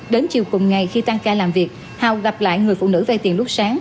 đến chiều cùng ngày khi tăng ca làm việc hào gặp lại người phụ nữ vay tiền lúc sáng